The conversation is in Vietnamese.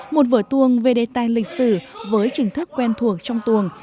một vở tuồng về đề tài lịch sử với trình thức quen thuộc trong tuồng